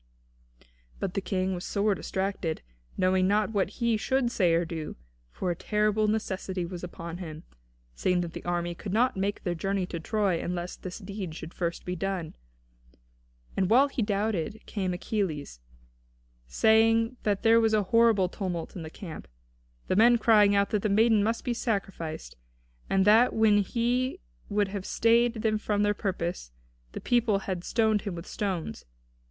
But the King was sore distracted, knowing not what he should say or do, for a terrible necessity was upon him, seeing that the army could not make their journey to Troy unless this deed should first be done. And while he doubted came Achilles, saying that there was a horrible tumult in the camp, the men crying out that the maiden must be sacrificed, and that when he would have stayed them from their purpose, the people had stoned him with stones.